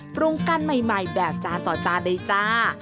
ปรุงกันใหม่แบบจานต่อจานเลยจ้า